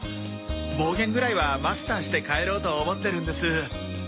ボーゲンぐらいはマスターして帰ろうと思ってるんです。